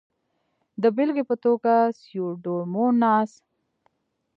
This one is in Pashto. د بېلګې په توګه سیوډوموناس.